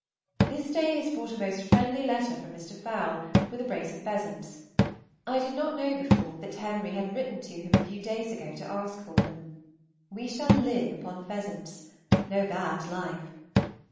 This day has brought a most friendly letter from Mr. Fowle, with a brace of pheasants. I did not know before that Henry had written to him a few days ago to ask for them. We shall live upon pheasants, no bad life!